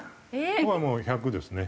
僕はもう１００ですね。